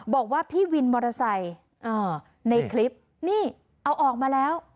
บอกว่าพี่วินมอเตอร์ไซค์ในคลิปนี่เอาออกมาแล้ว